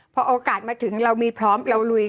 พอโอกาสมาถึงเรามีพร้อมเราลุย